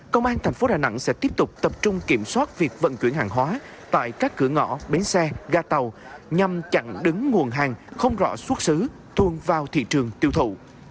công an thành phố đà nẵng sẽ tiếp tục tập trung kiểm soát việc vận chuyển hàng hóa tại các cửa ngõ bến xe ga tàu nhằm chặn đứng nguồn hàng không rõ xuất xứ thuông vào thị trường tiêu thụ